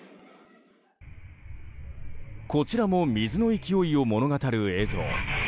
こちらも水の勢いを物語る映像。